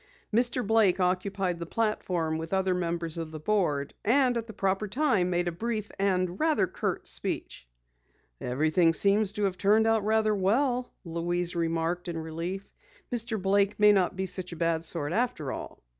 Mr. Blake occupied the platform with other members of the board, and at the proper time made a brief and rather curt speech. "Everything seems to have turned out rather well," Louise remarked in relief. "Mr. Blake may not be such a bad sort after all."